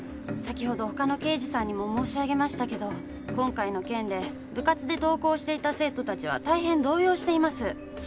先ほどほかの刑事さんにも申し上げましたけど今回の件で部活で登校していた生徒たちは大変動揺しています。